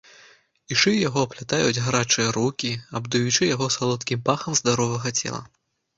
І шыю яго аплятаюць гарачыя рукі, абдаючы яго салодкім пахам здаровага цела.